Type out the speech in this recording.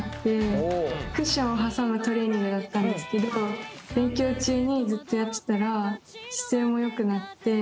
クッションを挟むトレーニングだったんですけど勉強中にずっとやってたら姿勢もよくなって。